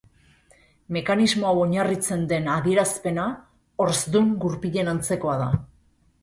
Mekanismo hau oinarritzen den adierazpena horzdun gurpilen antzekoa da.